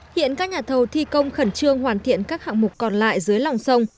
hiện các nhà thầu thi công khẩn trương hoàn thiện các hạng mục còn lại dưới lòng sông